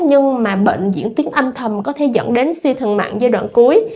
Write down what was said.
nhưng mà bệnh diễn tiến âm thầm có thể dẫn đến suy thận mạng giai đoạn cuối